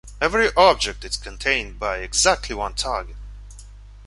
Every object is contained by exactly one target.